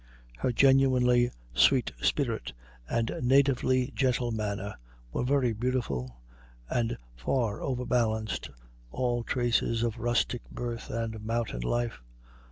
Her genuinely sweet spirit and natively gentle manner were very beautiful, and far overbalanced all traces of rustic birth and mountain life.